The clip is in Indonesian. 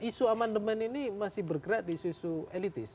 isu amandemen ini masih bergerak di isu isu elitis